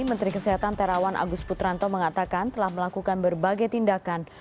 menteri kesehatan terawan agus putranto mengatakan telah melakukan berbagai tindakan